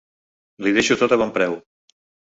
Li deixo tot a bon preu.